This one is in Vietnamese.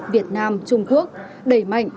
việt nam trung quốc đẩy mạnh